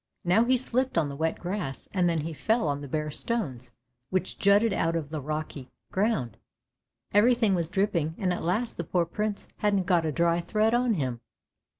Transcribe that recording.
Now he slipped on the wet grass, and then he fell on the bare stones which jutted out of the rocky ground. Everything was dripping, and at last the poor Prince hadn't got a dry thread on him.